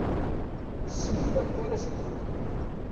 Ssnent amek ara s-ddunt.